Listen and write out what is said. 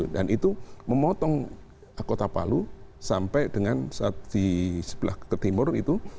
dan itu memotong kota palu sampai dengan saat di sebelah ke timur itu